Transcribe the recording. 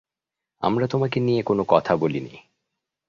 আমরা তোমাকে নিয়ে কোন কথা বলিনি।